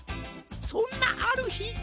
そんなあるひ。